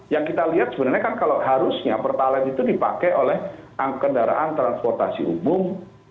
yang kita lihat sebenarnya kan kalau harusnya pertalite itu dipakai oleh kendaraan transportasi umum